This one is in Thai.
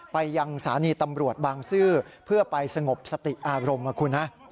ไปยังสถานีตำรวจบางซื่อเพื่อไปสงบสติอารมณ์นะคุณฮะ